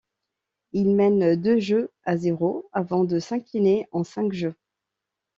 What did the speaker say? Il mène deux jeux à zéro avant de s'incliner en cinq jeux.